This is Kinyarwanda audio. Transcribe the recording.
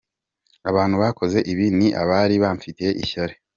Abantu bakoze ibi ni abari bamfitiye ishyari.